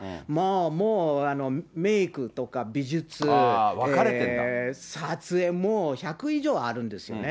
もう、メークとか美術、撮影、もう１００以上あるんですよね。